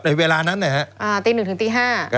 ในเวลานั้นนะครับตี๑ถึงตี๕